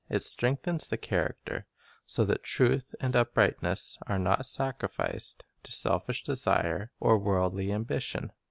It strengthens the character, so that truth and uprightness are not sacrificed to selfish desire or worldly ambition.